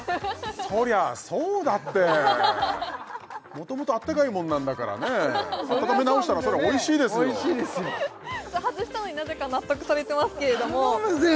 そりゃそうだってもともと温かいもんなんだからね温め直したらそりゃおいしいですよハズしたのになぜか納得されてますけれども頼むぜ！